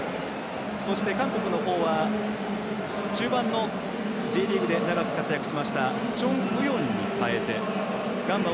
そして、韓国の方は中盤のＪリーグで長く活躍しましたチョン・ウヨンに代えてガンバ